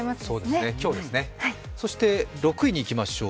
そして６位にいきましょう。